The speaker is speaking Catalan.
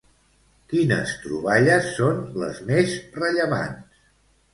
Quines troballes són les més rellevants?